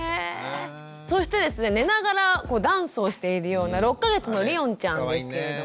そしてですね寝ながらダンスをしているような６か月のりおんちゃんですけれども。